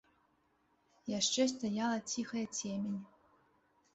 Яшчэ стаяла ціхая цемень.